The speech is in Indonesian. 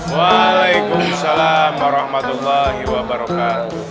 waalaikumsalam warahmatullahi wabarakatuh